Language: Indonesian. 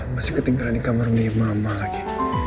masih ketinggalan di kamar mama lagi